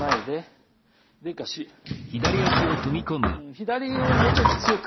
左もうちょっと強く。